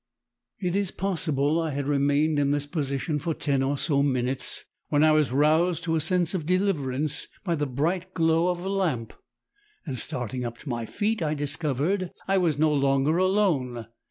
"It is possible I had remained in this position for ten or so minutes, when I was roused to a sense of deliverance by the bright glow of a lamp, and starting up to my feet, I discovered I was no longer alone.